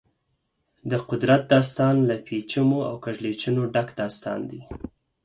د قدرت داستان له پېچومو او کږلېچونو ډک داستان دی.